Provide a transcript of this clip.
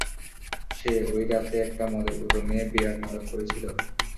সে, ওই রাতে একটা মদের বোতল নিয়ে বিরাট নাটক করেছিল।